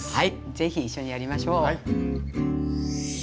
是非一緒にやりましょう。